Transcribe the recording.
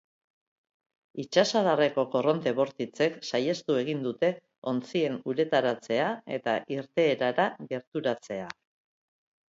Itsasadarreko korronte bortitzek saihestu egin dute ontzien uretaratzea eta irteerara gerturatzea.